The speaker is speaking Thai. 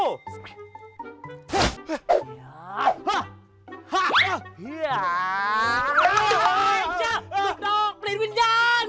หลุดนอกปรีศวิญญาณ